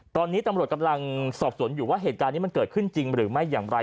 ตอนนี้ตำรวจกำลังสอบสวนอยู่ว่าเหตุการณ์นี้มันเกิดขึ้นจริงหรือไม่อย่างไร